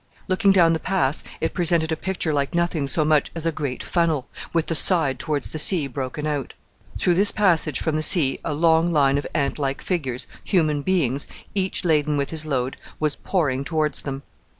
Looking down the Pass it presented a picture like nothing so much as a great funnel, with the side towards the sea broken out. Through this passage from the sea a long line of ant like figures, human beings, each laden with his load, was pouring towards them.